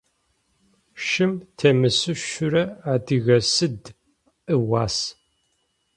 Шым темысышъурэ адыгэ сыд ыуас?